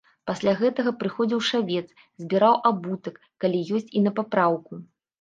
Пасля гэтага прыходзіў шавец, збіраў абутак, калі ёсць і на папраўку.